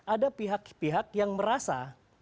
ada pihak pihak yang merasa